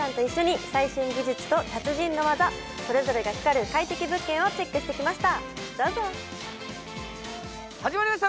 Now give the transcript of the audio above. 今回はパンサーの皆さんと一緒に最新の技術と達人の技、それぞれが光る快適物件をチェックしてきました。